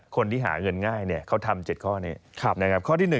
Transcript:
คนที่หาเงินง่ายเนี่ยเขาทำ๗ข้อนี้